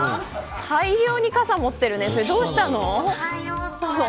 大量に傘を持っているねどうしたの。